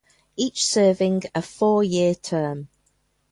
Each serving a four-year term.